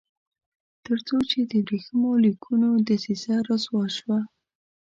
تر څو چې د ورېښمینو لیکونو دسیسه رسوا شوه.